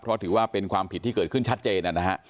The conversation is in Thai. เพราะถือว่าเป็นความผิดที่เกิดขึ้นชัดเจนนะฮะ